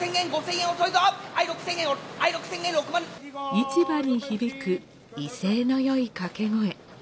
市場に響く威勢の良い掛け声。